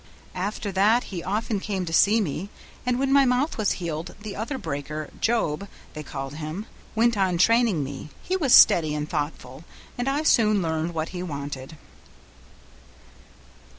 "After that he often came to see me, and when my mouth was healed the other breaker, Job, they called him, went on training me; he was steady and thoughtful, and I soon learned what he wanted."